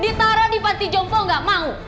ditaruh di panti jompo nggak mau